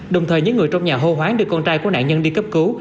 đồng thời những người trong nhà hô hoán được con trai của nạn nhân đi cấp cứu